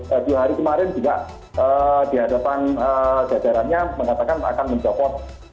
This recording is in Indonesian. terus dua hari kemarin juga di hadapan jadarannya mengatakan akan mencokot